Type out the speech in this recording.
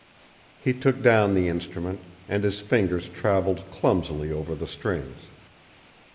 He took down the instrument, and his fingers traveled clumsily over the strings.